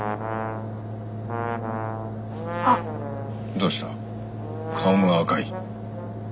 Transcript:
どうした顔が赤い。